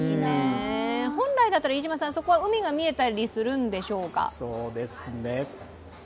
本来だったら飯島さん、そこは海が見えたりするんでしょうか？